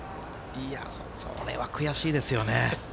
それは悔しいですよね。